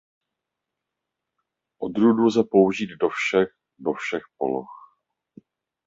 Odrůdu lze použít do všech do všech poloh.